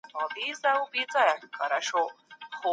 ايا حضوري ټولګي د استاد نظارت اسانه کوي؟